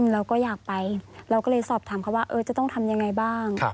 เราก็อยากไปเราก็เลยสอบถามเขาว่าจะต้องทำยังไงบ้าง